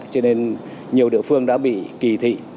cho nên nhiều địa phương đã bị kỳ thị